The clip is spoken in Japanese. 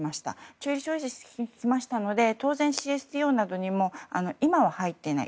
中立を維持してきましたので当然ＣＳＴＯなどにも今は入っていない。